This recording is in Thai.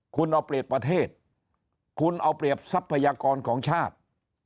คุณเอาเปรียบประเทศคุณเอาเปรียบทรัพยากรของชาติ